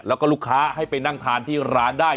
แล้วก็ลูกค้าให้ไปนั่งทานที่ร้านได้